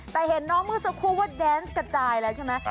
แต่เห็นน้องเมื่อสักครู่ว่าแดนส์กระจายแล้วใช่ไหม